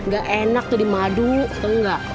gak enak tuh di madu tau gak